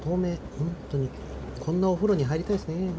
ホントにこんなお風呂に入りたいですね。